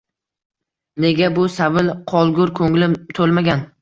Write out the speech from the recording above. Nega bu savil qolgur ko’nglim to’lmagan.